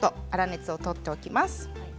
粗熱を取ってあります。